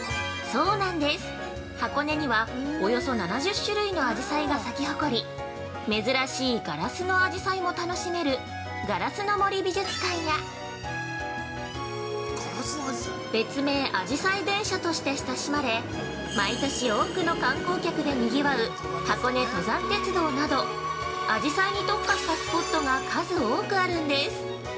◆そうなんです、箱根には、およそ７０種類のあじさいが咲き誇り珍しい「ガラスのあじさい」も楽しめる「ガラスの森美術館」や別名「あじさい電車」として親しまれ、毎年多くの観光客で賑わう「箱根登山鉄道」など、あじさいに特化したスポットが数多くあるんです。